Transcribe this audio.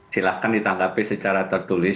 silahkan ditangkapi secara tertulis